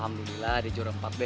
alhamdulillah dia jual empat beh